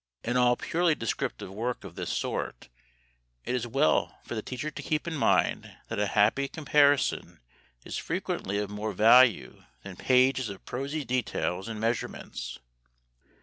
In all purely descriptive work of this sort it is well for the teacher to keep in mind that a happy comparison is frequently of more value than pages of prosy details and measurements.